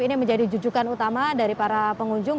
ini menjadi jujukan utama dari para pengunjung